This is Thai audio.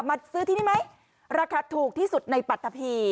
มาซื้อที่นี่ไหมราคาถูกที่สุดในปัตตะพี